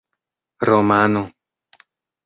romano